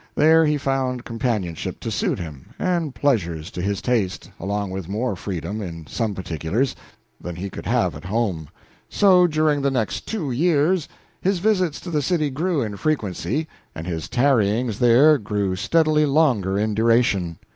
There he found companionship to suit him, and pleasures to his taste, along with more freedom, in some particulars, than he could have at home. So, during the next two years his visits to the city grew in frequency and his tarryings there grew steadily longer in duration.